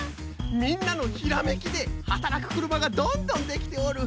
みんなのひらめきではたらくくるまがどんどんできておる。